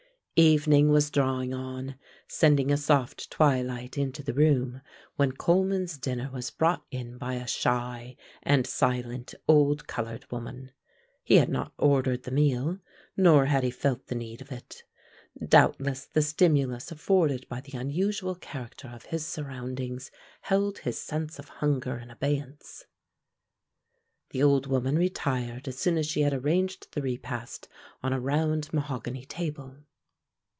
Evening was drawing on, sending a soft twilight into the room, when Coleman's dinner was brought in by a shy and silent old colored woman. He had not ordered the meal, nor had he felt the need of it. Doubtless the stimulus afforded by the unusual character of his surroundings held his sense of hunger in abeyance. The old woman retired as soon as she had arranged the repast on a round mahogany table.